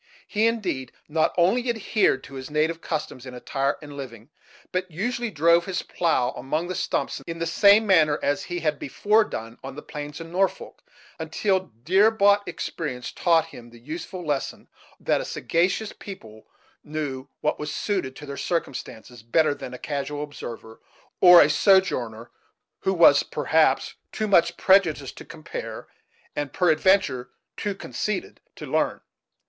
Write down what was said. He, indeed, not only adhered to his native customs in attire and living, but usually drove his plough among the stumps in the same manner as he had before done on the plains of Norfolk, until dear bought experience taught him the useful lesson that a sagacious people knew what was suited to their circumstances better than a casual observer, or a sojourner who was, perhaps, too much prejudiced to compare and, peradventure, too conceited to learn.